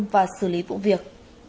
và xử lý vụ việc